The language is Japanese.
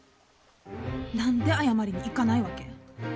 何で謝りに行かないわけ？